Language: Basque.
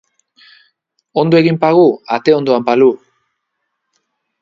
Ondo egin pagu, ate ondoan palu!